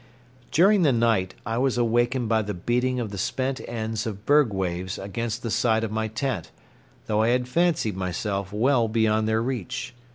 During the night I was awakened by the beating of the spent ends of berg waves against the side of my tent, though I had fancied myself well beyond their reach.